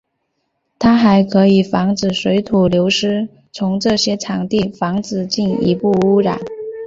它还可以防止水土流失从这些场地防止进一步污染。